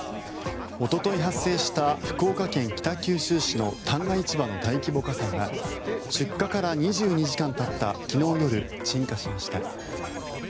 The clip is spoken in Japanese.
おととい発生した福岡県北九州市の旦過市場の大規模火災は出火から２２時間たった昨日夜鎮火しました。